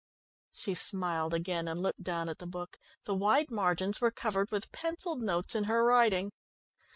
She smiled again, and looked down at the book. The wide margins were covered with pencilled notes in her writing.